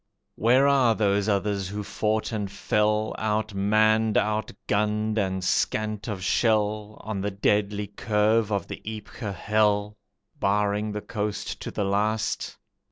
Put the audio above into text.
Where are those others who fought and fell, Outmanned, outgunned and scant of shell, On the deadly curve of the Ypres hell, Barring the coast to the last?